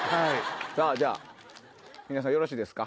じゃあ皆さんよろしいですか。